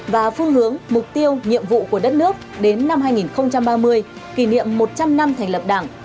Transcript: và phương hướng mục tiêu nhiệm vụ của đất nước đến năm hai nghìn ba mươi kỷ niệm một trăm linh năm thành lập đảng